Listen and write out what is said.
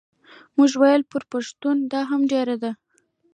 موږ وویل پر پښتنو دا هم ډېره ده.